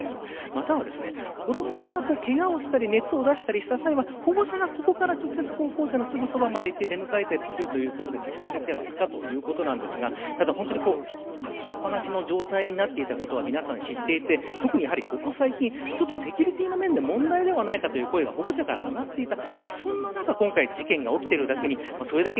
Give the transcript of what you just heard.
または子どもさんがけがをしたり熱を出したりした際は保護者がここから直接校舎のすぐそばまで行って迎えたりするということで使われていたということですが開けっ放しの状態になっていたことは皆さん知っていて特にここ最近、セキュリティーの面で問題ではないかという声が保護者から上がっていた。